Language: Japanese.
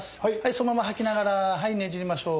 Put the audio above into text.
そのまま吐きながらねじりましょう。